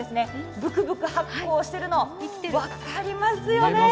ぶくぶく発酵しているの分かりますよね。